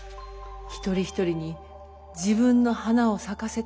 一人一人に自分の花を咲かせてほしい。